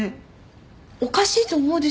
おかしいと思うでしょ